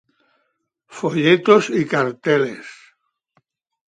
Folletos y carteles